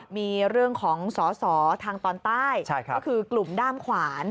มีเรื่องของสอสอทางตอนใต้ก็คือกลุ่มด้ามขวาน